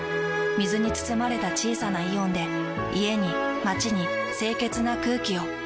水に包まれた小さなイオンで家に街に清潔な空気を。